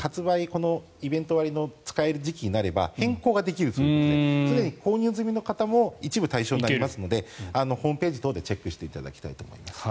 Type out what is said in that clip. このイベント割の使える時期になれば変更ができるそうですのですでに購入済みの方も一部対象になりますのでホームページ等でチェックしていただきたいと思います。